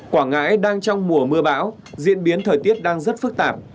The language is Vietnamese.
quảng ngãi đang trong mùa mưa bão diễn biến thời tiết đang rất phức tạp